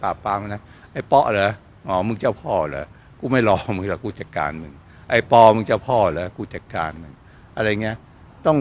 ไอ้ป๊อเหรอมึงเจ้าพ่อเหรอกูไม่รอมึงเหรอกูจัดการมึง